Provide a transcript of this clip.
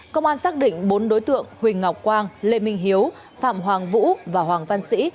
công an xác định bốn đối tượng huỳnh ngọc quang lê minh hiếu phạm hoàng vũ và hoàng văn sĩ